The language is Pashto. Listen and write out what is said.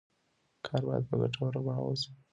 کار باید په ګټوره بڼه وشي.